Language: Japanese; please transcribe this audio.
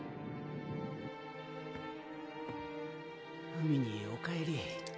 海にお帰り。